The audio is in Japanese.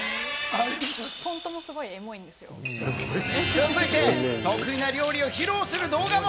続いて、得意な料理を披露する動画も。